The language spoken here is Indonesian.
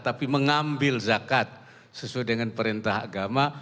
tapi mengambil zakat sesuai dengan perintah agama